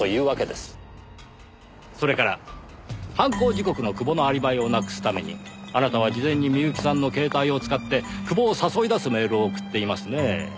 それから犯行時刻の久保のアリバイを無くすためにあなたは事前に深雪さんの携帯を使って久保を誘い出すメールを送っていますねぇ。